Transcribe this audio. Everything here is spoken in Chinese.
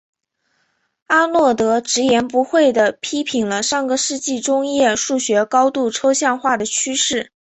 阿诺德直言不讳地批评了上个世纪中叶数学高度抽象化的趋势。